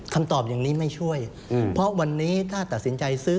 คำตอบอย่างนี้ไม่ช่วยเพราะวันนี้ถ้าตัดสินใจซื้อ